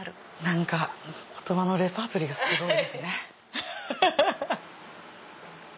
何か言葉のレパートリーがすごいですねハハハ。